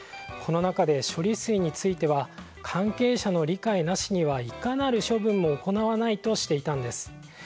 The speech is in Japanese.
この中で処理水については関係者の理解なしにはいかなる処分も行わないとしていたんです。